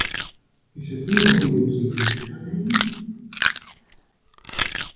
Is er iemand die dit serieus kan nemen?